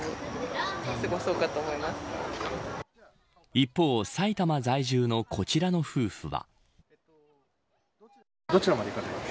一方、埼玉在住のこちらの夫婦は。